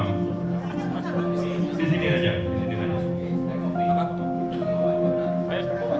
di sini aja di sini aja